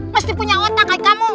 pasti punya otak kayak kamu